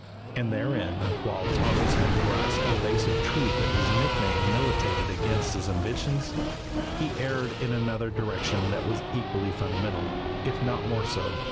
And therein, while Toddles had grasped the basic truth that his nickname militated against his ambitions, he erred in another direction that was equally fundamental, if not more so.